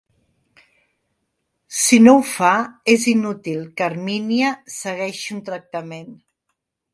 Si no ho fa, és inútil que Hermínia segueixi un tractament.